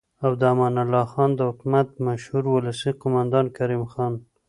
او د امان الله خان د حکومت مشهور ولسي قوماندان کریم خان